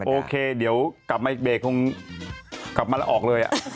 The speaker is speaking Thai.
โอเคเดี๋ยวกลับมาอีกเบรกคงกลับมาแล้วออกเลย